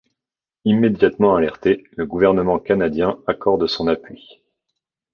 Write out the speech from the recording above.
Immédiatement alerté, le gouvernement canadien accorde son appui.